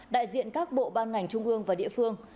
đại diện các bộ ban ngành trung ương và địa phương